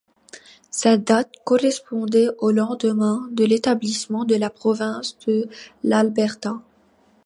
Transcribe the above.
Cette date correspondait au lendemain de l'établissement de la province de l'Alberta.